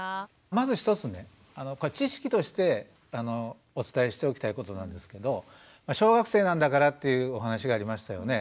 まず一つね知識としてお伝えしておきたいことなんですけど小学生なんだからっていうお話がありましたよね。